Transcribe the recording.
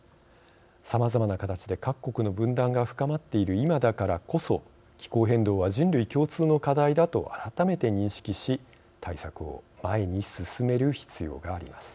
さまざまな形で各国の分断が深まっている今だからこそ気候変動は人類共通の課題だと改めて認識し、対策を前に進める必要があります。